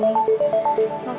maaf nunggu dulu eh